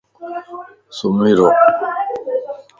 سمي رو